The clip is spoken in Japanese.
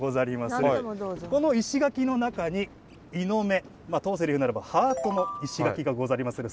この石垣の中に猪目まあ当世で言うならばハートの石垣がござりまする。